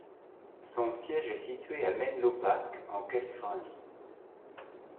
Son siège est situé à Menlo Park, en Californie.